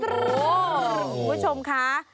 คุณผู้ชมคะ